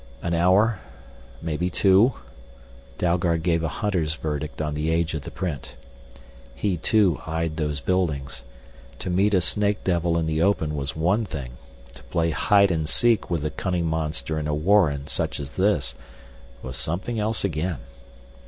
"An hour maybe two " Dalgard gave a hunter's verdict on the age of the print. He, too, eyed those buildings. To meet a snake devil in the open was one thing, to play hide and seek with the cunning monster in a warren such as this was something else again.